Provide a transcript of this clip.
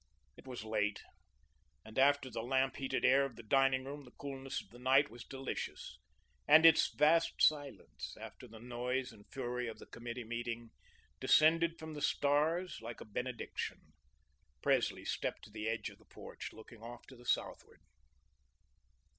It was late, and after the lamp heated air of the dining room, the coolness of the night was delicious, and its vast silence, after the noise and fury of the committee meeting, descended from the stars like a benediction. Presley stepped to the edge of the porch, looking off to southward.